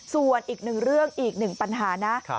ส่วนอีกหนึ่งเรื่องอีกหนึ่งปัญหานะ